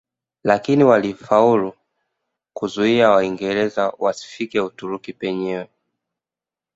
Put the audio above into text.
Lakini walifaulu kuzuia Waingereza wasifike Uturuki penyewe